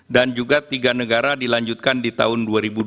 dan juga tiga negara dilanjutkan di tahun dua ribu dua puluh empat